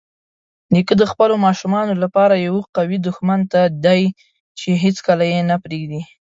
نیکه د خپلو ماشومانو لپاره یوه قوي دښمن دی چې هیڅکله یې نه پرېږدي.